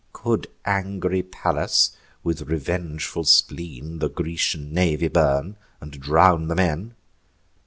Could angry Pallas, with revengeful spleen, The Grecian navy burn, and drown the men?